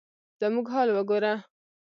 زموږ حال وګوره ؟